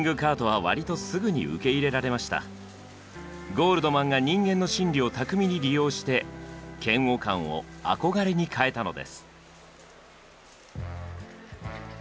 ゴールドマンが人間の心理を巧みに利用して嫌悪感を憧れに変えたのです。